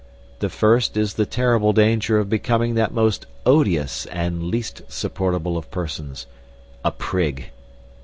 The first is the terrible danger of becoming that most odious and least supportable of persons a prig.